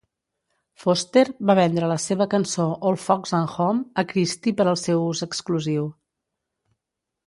Foster va vendre la seva cançó, "Old Folks at Home", a Christy per al seu ús exclusiu.